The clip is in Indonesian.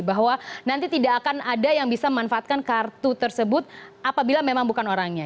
bahwa nanti tidak akan ada yang bisa memanfaatkan kartu tersebut apabila memang bukan orangnya